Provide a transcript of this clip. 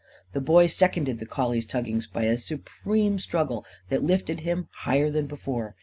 The Boy seconded the collie's tuggings by a supreme struggle that lifted him higher than before.